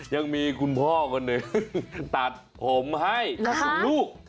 ยังมีคุณพ่อคนหนึ่งตัดผมให้คุณลูก